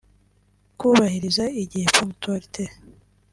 kubahiriza igihe (ponctualité)